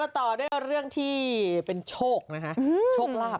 มาต่อด้วยเรื่องที่เป็นโชคนะคะ